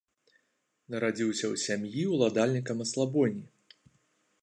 Нарадзіўся ў сям'і ўладальніка маслабойні.